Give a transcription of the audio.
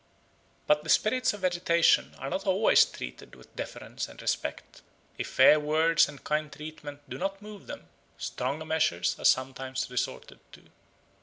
But the spirits of vegetation are not always treated with deference and respect. If fair words and kind treatment do not move them, stronger measures are sometimes resorted to.